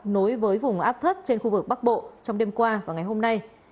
nối với vùng áp thấp trên khu vực bắc bộ trong đêm qua và ngày hôm nay